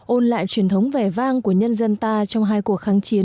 ôn lại truyền thống vẻ vang của nhân dân ta trong hai cuộc kháng chiến